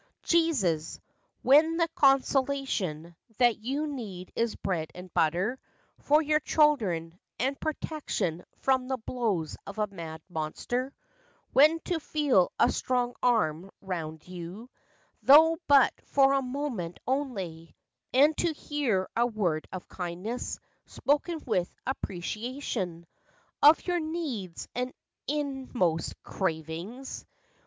Jesus ! when the consolation That you need is bread and butter For your children, and protection From the blows of a mad monster; When to feel a strong arm 'round you, Tho' but for a moment only, And to hear a word of kindness Spoken with appreciation Of your needs and inmost cravings, FACTS AND FANCIES.